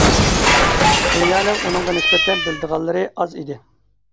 دۇنيانىڭ ئۇنىڭغا نىسبەتەن بىلىدىغانلىرى ئاز ئىدى.